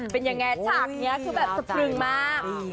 เป็นยังไงฉากนี้คือแบบสะพรึงมาก